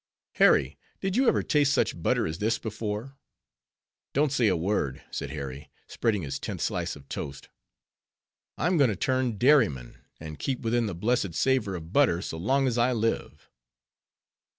"Harry, did you ever taste such butter as this before?" "Don't say a word,"—said Harry, spreading his tenth slice of toast "I'm going to turn dairyman, and keep within the blessed savor of butter, so long as I live."